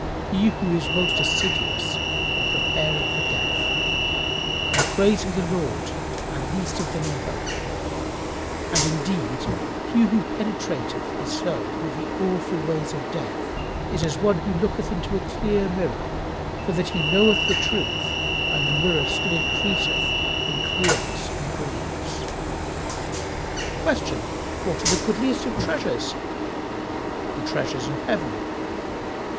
"— "He who is most assiduous in preparing for death and praising the Lord and least of them in hope, and indeed he who penetrateth his soul with the awful ways of death is as one who looketh into a clear mirror, for that he knoweth the truth, and the mirror still increaseth in clearness and brilliance." Q "What are the goodliest of treasures?"—"The treasures of heaven."